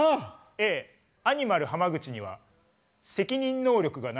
Ａ「アニマル浜口には責任能力がない」。